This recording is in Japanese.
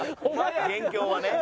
元凶はね。